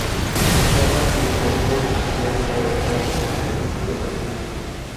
Toma antidepresivos a diario para evitar los episodios depresivos.